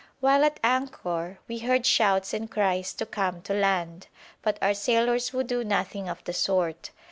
While at anchor we heard shouts and cries to come to land, but our sailors would do nothing of the sort.